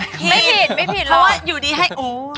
ใช่ไหมครับไม่ผิดแล้วเพราะว่าอยู่ดีให้อู๋